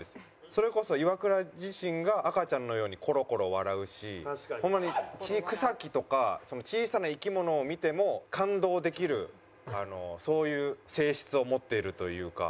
それこそイワクラ自身が赤ちゃんのようにコロコロ笑うしホンマに草木とか小さな生き物を見ても感動できるそういう性質を持っているというか。